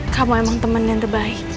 kamu emang temen yang terbaik